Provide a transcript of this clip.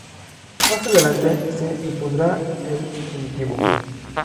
Más adelante, se impondrá el genitivo.